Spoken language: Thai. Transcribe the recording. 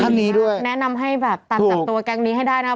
นี้ด้วยแนะนำให้แบบตามจับตัวแก๊งนี้ให้ได้นะ